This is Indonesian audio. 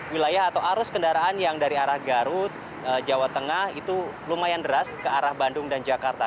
wilayah atau arus kendaraan yang dari arah garut jawa tengah itu lumayan deras ke arah bandung dan jakarta